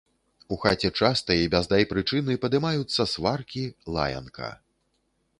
У хаце часта і без дай прычыны падымаюцца сваркі, лаянка.